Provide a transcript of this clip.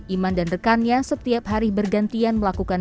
iman dan rekannya setiap hari bergantian melakukan